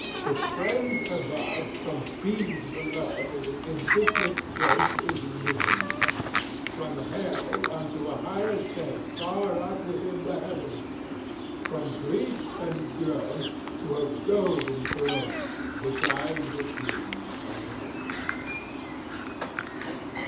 To friends above, from fiends below, the indignant ghost is riven— From Hell unto a high estate far up within the Heaven— From grief and groan, to a golden throne, beside the King of Heaven."